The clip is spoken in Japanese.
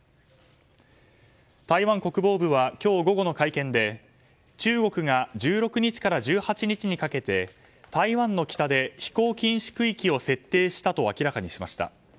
台湾国防部は今日午後の会見で中国が１６日から１８日かけて台湾の北で飛行禁止区域を設定したと明らかにしました。